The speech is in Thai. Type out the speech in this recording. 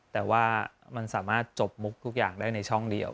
แต่ว่ามันสามารถจบมุกทุกอย่างได้ในช่องเดียว